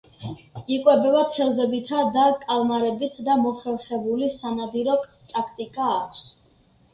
იკვებება თევზებითა და კალმარებით და მოხერხებული სანადირო ტაქტიკა აქვს.